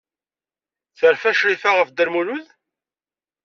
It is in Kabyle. Terfa Crifa ɣef Dda Lmulud?